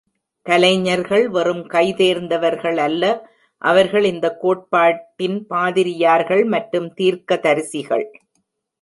கலைஞர்கள் வெறும் கைதேர்ந்தவர்கள் அல்ல; அவர்கள் இந்த கோட்பாட்டின் பாதிரியார்கள் மற்றும் தீர்க்கதரிசிகள்.